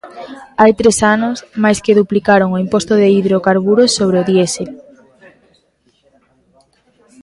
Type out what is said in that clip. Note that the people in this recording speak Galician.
Hai tres anos, máis que duplicaron o imposto de hidrocarburos sobre o diésel.